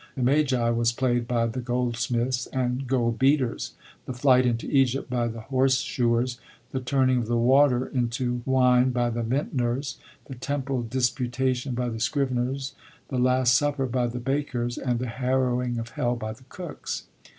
The *Ma^' was playd by the Goldsmiths and Goldbeaters, the Flight into Egypt by the Horse shoers, the Turning of Water into Wine by the Vintners, the Temple Disputation by the Scriveners, the Last Supper by the Bakers, and the Harrowing of Hell by the Cooks.'